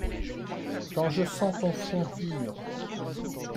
Quand je sens ton front pur…